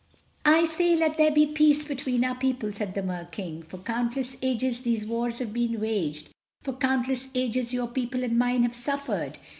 "I say—Let there be peace between our people," said the Mer King. "For countless ages these wars have been waged, for countless ages your people and mine have suffered.